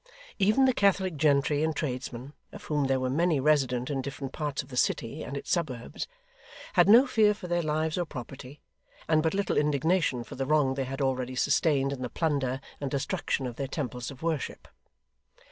Even the Catholic gentry and tradesmen, of whom there were many resident in different parts of the City and its suburbs, had no fear for their lives or property, and but little indignation for the wrong they had already sustained in the plunder and destruction of their temples of worship.